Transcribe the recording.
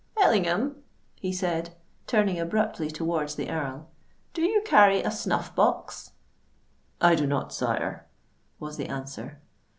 "Ellingham," he said, turning abruptly towards the Earl, "do you carry a snuff box?" "I do not, sire," was the answer.